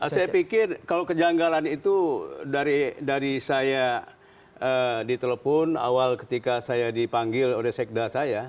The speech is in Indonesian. saya pikir kalau kejanggalan itu dari saya ditelepon awal ketika saya dipanggil oleh sekda saya